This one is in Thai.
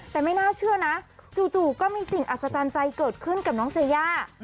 แต่ไม่น่าเชื่อนะจู่ก็มีสิ่งอัศจรรย์ใจเกิดขึ้นกับน้องเซย่า